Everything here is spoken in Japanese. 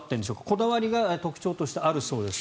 こだわりが特徴としてあるそうです。